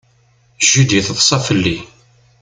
Judy teḍsa fell-i.